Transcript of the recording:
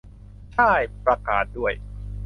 ช่าย ประกาศด้วย